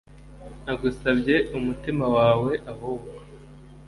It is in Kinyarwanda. nagusabye umutima wawe: ahubwo